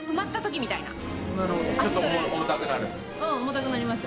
うん重たくなります。